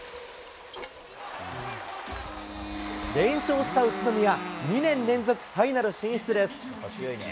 連勝した宇都宮、２年連続ファイナル進出です。